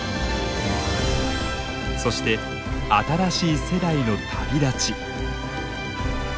そして新しい世代の旅立ち。